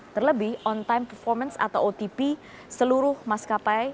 terlebih on time performance atau otp seluruh maskapai